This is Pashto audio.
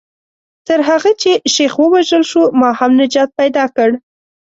تر هغه چې شیخ ووژل شو ما هم نجات پیدا کړ.